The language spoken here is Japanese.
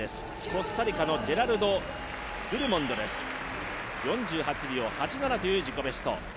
コスタリカのジェラルド・ドゥルモンド選手４８秒８７という自己ベスト。